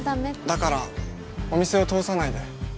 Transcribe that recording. だからお店を通さないで。